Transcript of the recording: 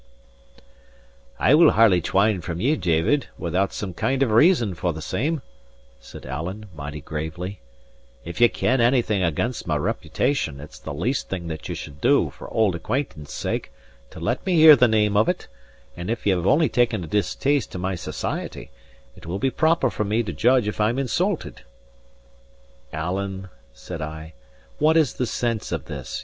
* Part. "I will hardly twine from ye, David, without some kind of reason for the same," said Alan, mighty gravely. "If ye ken anything against my reputation, it's the least thing that ye should do, for old acquaintance' sake, to let me hear the name of it; and if ye have only taken a distaste to my society, it will be proper for me to judge if I'm insulted." "Alan," said I, "what is the sense of this?